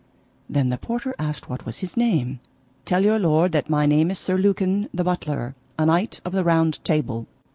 Then the porter asked what was his name. Tell your lord that my name is Sir Lucan, the butler, a Knight of the Round Table.